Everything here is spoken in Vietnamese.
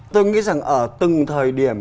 tôi nghĩ rằng ở từng thời điểm